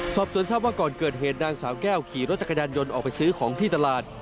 สอบส่วนทราบว่าก่อนเกิดเหตุนางสาวแก้วขี่รถจักรยานยนต์ออกไปซื้อของที่ตลาด